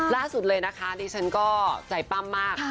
ล่าสุดเลยนะคะดิฉันก็ใจปั้มมาก